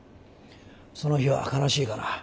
その日は悲しいかな